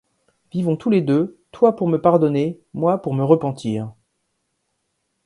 Vivons tous les deux, toi pour me pardonner, moi, pour me repentir !